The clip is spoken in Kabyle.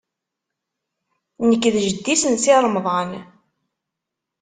Nekk d jeddi-s n Si Remḍan.